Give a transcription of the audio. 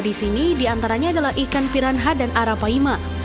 di sini diantaranya adalah ikan piranha dan arapaima